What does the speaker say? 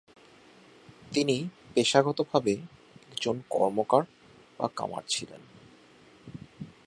তিনি পেশাগত ভাবে একজন কর্মকার বা কামার ছিলেন।